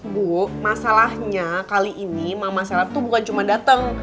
bu masalahnya kali ini mama seleb tuh bukan cuma dateng